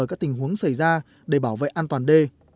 các tình huống xảy ra để bảo vệ an toàn đê